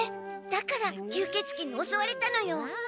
だから吸ケツ鬼に襲われたのよ。